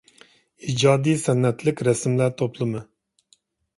ئىجادىي سەنئەتلىك رەسىملەر توپلىمى.